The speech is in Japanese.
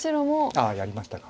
ああやりましたか。